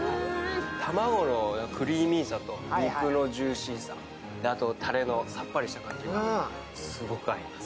卵のクリーミーさと肉のジューシーさ、あとたれのさっぱりした感じがすごく合います。